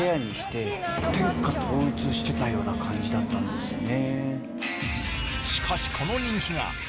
してたような感じだったんですよね。